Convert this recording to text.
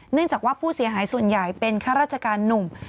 เนื่องจากว่าผู้เสียหายส่วนใหญ่เป็นข้าราชการหนุ่ม